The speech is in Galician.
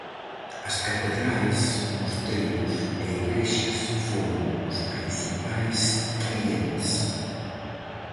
As catedrais, mosteiros e igrexas foron os principais clientes.